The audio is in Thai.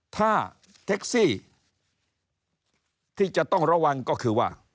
ถ้าแท็กซี่ที่จะต้องระวังก็คือว่า